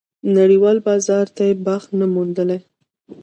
نړېوال بازار ته بخت نه موندلی.